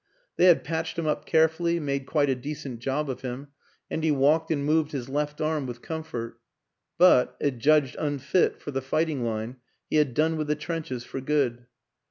They had patched him up carefully, made quite a decent job of him, and he walked and moved his left arm with comfort; but, adjudged unfit for the fighting line, he had done with the trenches for good.